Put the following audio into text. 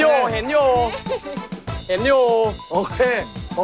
โอ้โฮ